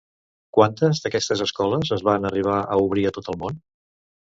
Quantes d'aquestes escoles es van arribar a obrir a tot el món?